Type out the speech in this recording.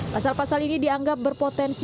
pasal pasal ini dianggap berpotensi